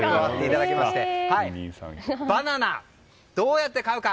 バナナ、どうやって買うか。